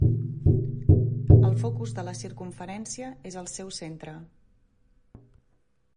El focus de la circumferència és el seu centre.